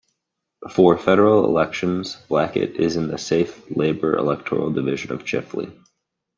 For federal elections, Blackett is in the safe Labor electoral division of Chifley.